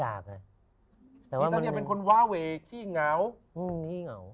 อาจจะเป็นคนวาเวเว่ที่เหงา